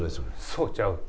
そうちゃうよ。